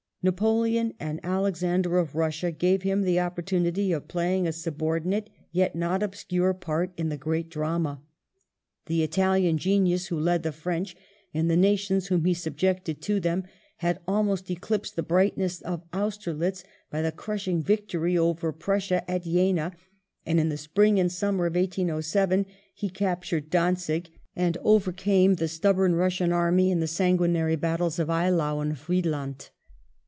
Napoleon and Alexander of Bussia gave him the opportunity of playing a subordinate, yet not obscure 90 WELLINGTON part in the great drama. The Italian genius, who led the French and the nations whom he subjected to them, had almost eclipsed the brightness of Austerlitz by the crushing victory over Prussia at Jena, and in the spring and summer of 1807 he captured Dantzic and overcame the stubborn Eussian army in the sanguinary battles of Eylau and Friedland.